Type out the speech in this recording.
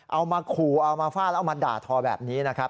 เอามาขู่เอามาฟาดแล้วเอามาด่าทอแบบนี้นะครับ